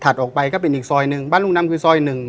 ออกไปก็เป็นอีกซอยหนึ่งบ้านลุงน้ำคือซอยหนึ่ง